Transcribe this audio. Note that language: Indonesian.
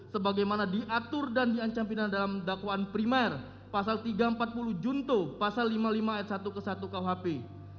dua sebagai mana diatur dan diancam pidana dalam perbuatan ini